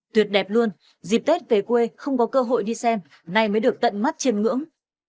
tuyệt đẹp luôn dịp tết về quê không có cơ hội đi xem nay mới được tận mắt trên ngưỡng